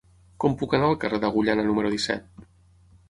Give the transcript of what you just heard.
Com puc anar al carrer d'Agullana número disset?